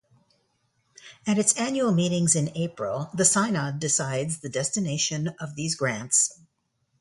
At its annual meetings in April the Synod decides the destination of these grants.